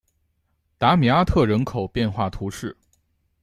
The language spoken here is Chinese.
达米阿特人口变化图示